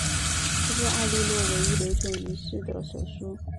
这是埃莉诺唯一留存于世的手书。